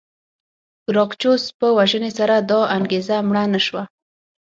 ګراکچوس په وژنې سره دا انګېزه مړه نه شوه.